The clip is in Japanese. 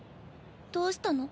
どうしたの？